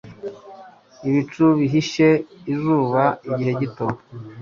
Ibicu bihisha izuba igihe gito.